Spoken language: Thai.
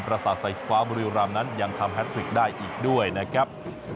พระศาสตร์ไสฟ้าบริโรมนั้นยังทำแฮททริกได้อีกด้วยนะครับ